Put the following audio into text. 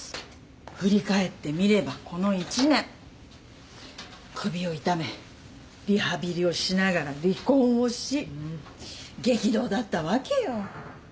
振り返ってみればこの１年首を痛めリハビリをしながら離婚をし激動だったわけよ。